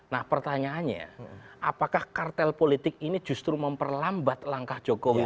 nah pertanyaannya apakah kartel politik ini justru memperlambat langkah jokowi